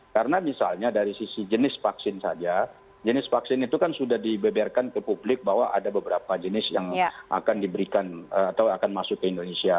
karena misalnya dari sisi jenis vaksin saja jenis vaksin itu kan sudah dibeberkan ke publik bahwa ada beberapa jenis yang akan diberikan atau akan masuk ke indonesia